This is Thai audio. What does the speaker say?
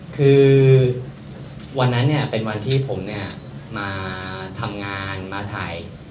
คือวันนั้นเนี่ยเป็นวันที่ผมเนี่ยมาทำงานมาถ่าย